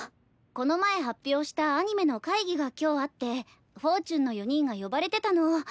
この前発表したアニメの会議が今日あってＣｈｕｎ×４の４人が呼ばれてたの。